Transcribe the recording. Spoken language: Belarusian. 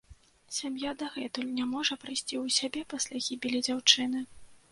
Сям'я дагэтуль не можа прыйсці ў сябе пасля гібелі дзяўчыны.